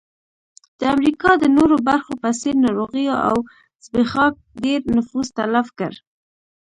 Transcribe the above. د امریکا د نورو برخو په څېر ناروغیو او زبېښاک ډېر نفوس تلف کړ.